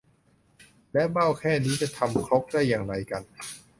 แล้วเบ้าแค่นี้จะทำครกได้อย่างไรกัน